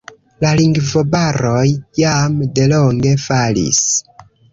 La lingvobaroj jam delonge falis.